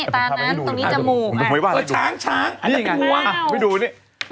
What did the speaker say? ตรงนี้จมูก